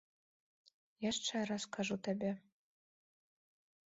Яшчэ раз кажу табе.